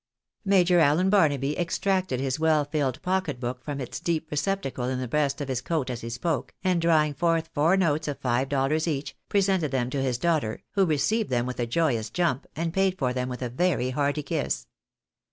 Major Allen Barnaby extracted his well filled pocket book from its deep receptacle in the breast of his coat as he spoke, and draw ing forth four notes of five dollars each, presented them to his daughter, who received them with a joyous jump, and paid for them with a very hearty kiss.